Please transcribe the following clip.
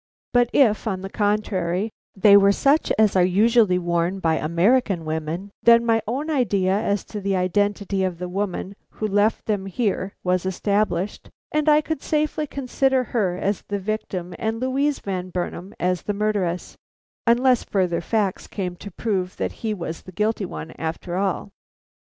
But if, on the contrary, they were such as are usually worn by American women, then my own idea as to the identity of the woman who left them here was established, and I could safely consider her as the victim and Louise Van Burnam as the murderess, unless further facts came to prove that he was the guilty one, after all.